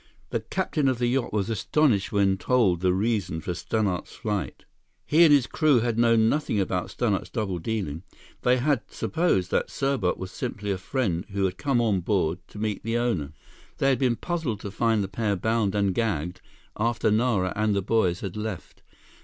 The captain of the yacht was astonished when told the reason for Stannart's flight. He and his crew had known nothing about Stannart's double dealing. They had supposed that Serbot was simply a friend who had come on board to meet the owner. They had been puzzled to find the pair bound and gagged after Nara and the boys had left.